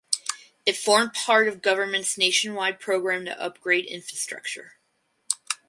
It formed part of government’s nationwide programme to upgrade infrastructure.